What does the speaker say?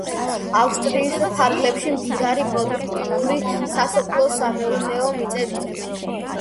ავსტრიის ფარგლებში მდიდარი პროდუქტიული სასოფლო-სამეურნეო მიწებია.